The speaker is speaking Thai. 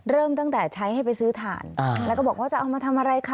เริ่มตั้งแต่ใช้ให้ไปซื้อถ่านแล้วก็บอกว่าจะเอามาทำอะไรคะ